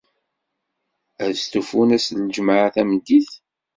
Ad stufun ass n ljemɛa tameddit?